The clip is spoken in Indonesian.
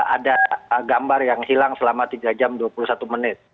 ada gambar yang hilang selama tiga jam dua puluh satu menit